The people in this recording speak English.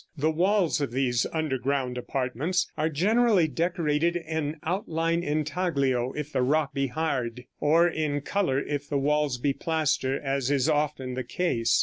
The walls of these underground apartments are generally decorated in outline intaglio if the rock be hard; or in color if the walls be plaster, as is often the case.